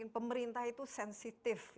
pemerintah itu sensitif